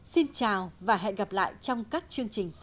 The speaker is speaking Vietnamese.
xin chào và hẹn gặp lại trong các chương trình sau